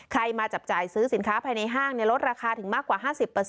มาจับจ่ายซื้อสินค้าภายในห้างลดราคาถึงมากกว่า๕๐